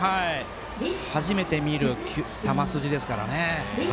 初めて見る球筋ですからね。